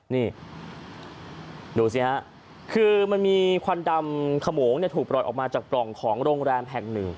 นี่ดูสิฮะคือมันมีควันดำขโมงถูกปล่อยออกมาจากปล่องของโรงแรมแห่งหนึ่ง